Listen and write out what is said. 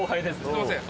すみません。